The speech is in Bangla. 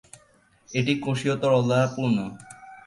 এটি কোষীয় তরল দ্বারা পূর্ণ।